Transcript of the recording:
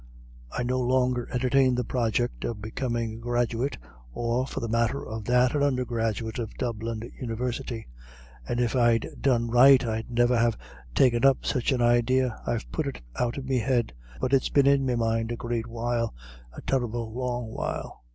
"I no longer entertain the project of becomin' a graduate, or for the matter of that an undergraduate of Dublin University; and if I'd done right, I'd niver have taken up such an idea. I've put it out of me head. But it's been in me mind a great while a terrible long while."